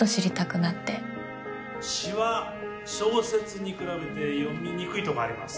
詩は小説に比べて読みにくいところがあります。